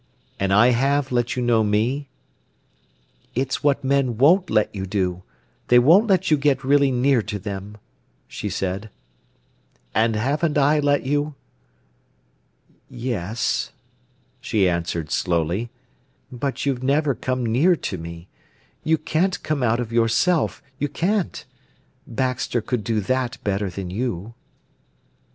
"And I have let you know me?" "It's what men won't let you do. They won't let you get really near to them," she said. "And haven't I let you?" "Yes," she answered slowly; "but you've never come near to me. You can't come out of yourself, you can't. Baxter could do that better than you."